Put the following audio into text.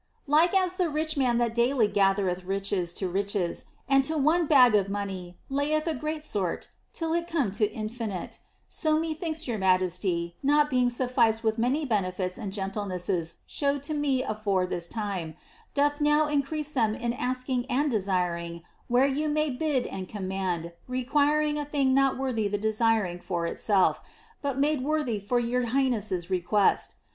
Like as the rich man that daily gathereth riches to riches, and to one bag of money layeth a great sort till it come to infinite, so methinks your majesty, ool being sufficed with many benefits and gentlenesses showed to me afore ihis time, doth now increase them in asking and dosiring where you may bid and command, requiring a thing not worthy the dej>iring for itself, but made worthy for your highnesses reque!(t.